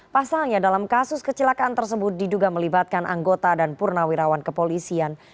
pasalnya dalam kasus kecelakaan tersebut diduga melibatkan anggota dan purnawirawan kepolisian